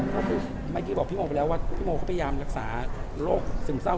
ก็คือเมื่อกี้บอกพี่โมไปแล้วว่าพี่โมเขาพยายามรักษาโรคซึมเศร้า